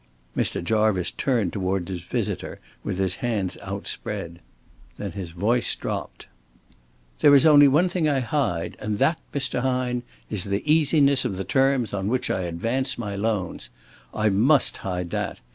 Mr. Jarvice turned toward his visitor with his hands outspread. Then his voice dropped. "There is only one thing I hide, and that, Mr. Hine, is the easiness of the terms on which I advance my loans. I must hide that.